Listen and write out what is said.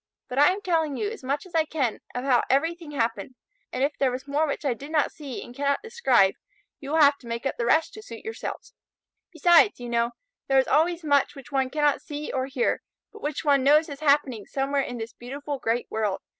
But I am telling you as much as I can of how everything happened, and if there was more which I did not see and cannot describe, you will have to make up the rest to suit yourselves. Besides, you know, there is always much which one cannot see or hear, but which one knows is happening somewhere in this beautiful great world.